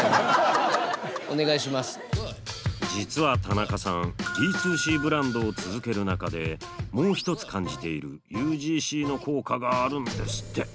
実は田中さんＤ２Ｃブランドを続ける中でもう一つ感じているＵＧＣの効果があるんですって。